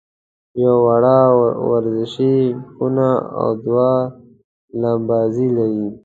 یوه وړه ورزشي خونه او دوه لمباځي لري.